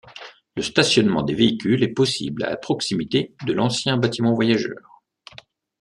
Le stationnement des véhicules est possible à proximité de l'ancien bâtiment voyageurs..